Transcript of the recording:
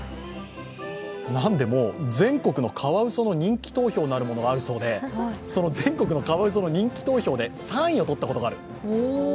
何でも全国のカワウソの人気投票なるものがあるそうでその全国のカワウソの人気投票で３位を取ったことがある。